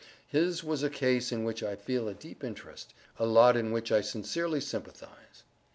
His was a case in which I feel a deep interest—a lot in which I sincerely sympathize.